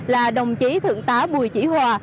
là đồng chí thượng tá bùi chỉ hòa